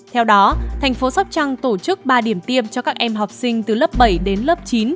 theo đó thành phố sóc trăng tổ chức ba điểm tiêm cho các em học sinh từ lớp bảy đến lớp chín